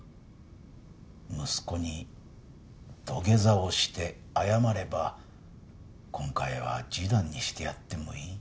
息子に土下座をして謝れば今回は示談にしてやってもいい。